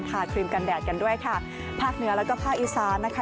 ครีมกันแดดกันด้วยค่ะภาคเหนือแล้วก็ภาคอีสานนะคะ